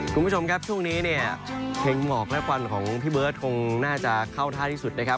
คุณผู้ชมครับช่วงนี้เนี่ยเพลงหมอกและควันของพี่เบิร์ตคงน่าจะเข้าท่าที่สุดนะครับ